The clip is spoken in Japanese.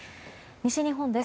西日本です。